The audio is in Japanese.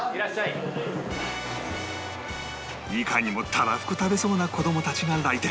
いかにもたらふく食べそうな子供たちが来店